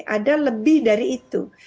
ada lebih dari itu